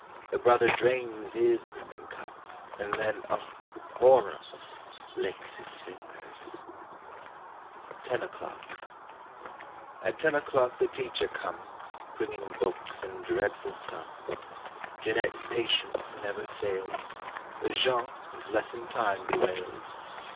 Her brother drains his brimming cup. And then—oh, horror!—licks his fingers! 13 NINE O'CLOCK 15 TEN O'CLOCK AT ten o'clock the teacher comes ZjL Bringing books and dreadful Jeanette's patience never fails, But Jean his lesson time bewails.